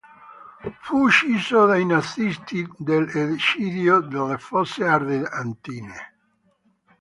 Fu ucciso dai nazisti nell'eccidio delle Fosse Ardeatine.